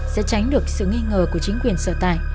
sẽ tránh được sự nghi ngờ của chính quyền sợ tài